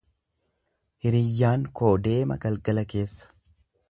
Hiriyyaan koo deema galgala keessa.